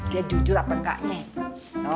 dia jujur apa enggak nek